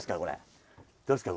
どうですか？